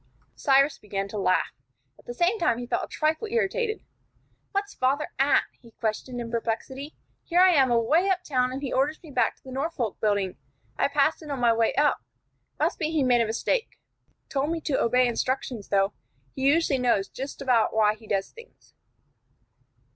Cyrus began to laugh. At the same time he felt a trifle irritated. "What's father at?" he questioned, in perplexity. "Here I am away up town, and he orders me back to the Norfolk Building. I passed it on my way up. Must be he made a mistake. Told me to obey instructions, though. He usually knows just about why he does things."